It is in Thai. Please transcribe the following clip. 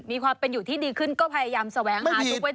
มีความเป็นอยู่ที่ดีขึ้นก็พยายามแสวงหาทุกข์ไว้